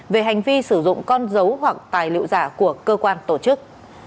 về hành vi sử dụng con dấu hoặc tài liệu giả của cơ quan tổ chức